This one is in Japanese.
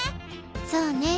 そうね。